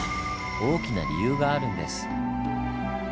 大きな理由があるんです。